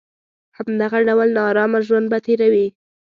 همدغه ډول نارامه ژوند به تېروي.